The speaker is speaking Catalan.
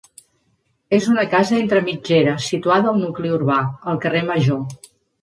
És una casa entre mitgeres situada al nucli urbà, al carrer Major.